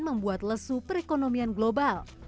membuat lesu perekonomian global